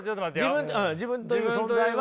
自分自分という存在は？